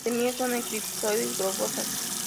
Las semilla son elipsoides-globosas.